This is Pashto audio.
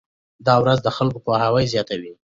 دا ورځ د خلکو پوهاوی زیاتوي.